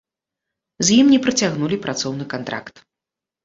З ім не працягнулі працоўны кантракт.